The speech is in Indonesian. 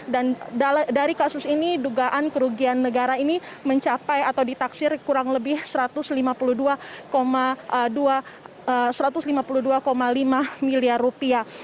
dan dari kasus ini dugaan kerugian negara ini mencapai atau ditaksir kurang lebih satu ratus lima puluh dua lima miliar rupiah